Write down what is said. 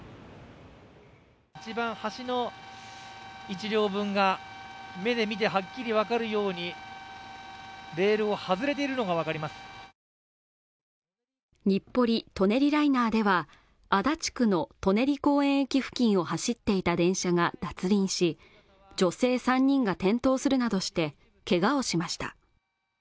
一番端の１両分が目で見てはっきり分かるようにレールを外れているのが分かります日暮里舎人ライナーでは足立区の舎人公園駅付近を走っていた電車が脱輪し女性３人が転倒するなどしてけがをしました